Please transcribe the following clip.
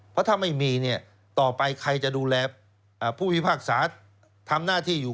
เพราะถ้าไม่มีเนี่ยต่อไปใครจะดูแลผู้พิพากษาทำหน้าที่อยู่